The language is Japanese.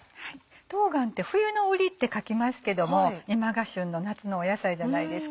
冬瓜って「冬の瓜」って書きますけども今が旬の夏の野菜じゃないですか。